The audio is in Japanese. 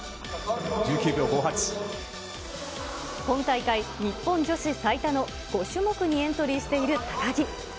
今大会、日本女子最多の５種目にエントリーしている高木。